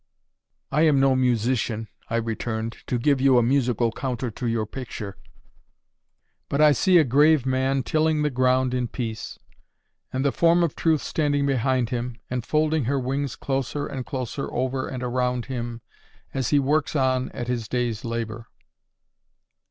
"I am no musician," I returned, "to give you a musical counter to your picture. But I see a grave man tilling the ground in peace, and the form of Truth standing behind him, and folding her wings closer and closer over and around him as he works on at his day's labour."